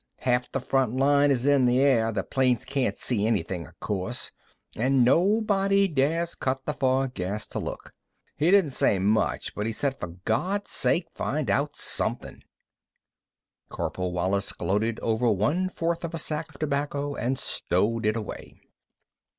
Half th' front line is in th' air, the planes can't see anything, o'course, an' nobody dares cut th' fog gas to look. He didn't say much, but he said for Gawd's sake find out somethin'." Corporal Wallis gloated over one fourth of a sack of tobacco and stowed it away.